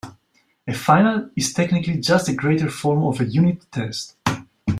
A final is technically just a greater form of a "unit test".